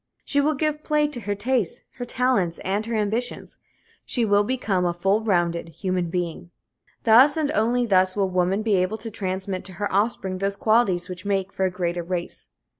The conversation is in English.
She will give play to her tastes, her talents and her ambitions. She will become a full rounded human being. Thus and only thus will woman be able to transmit to her offspring those qualities which make for a greater race.